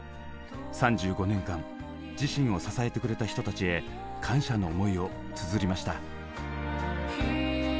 ３５年間自身を支えてくれた人たちへ感謝の思いをつづりました。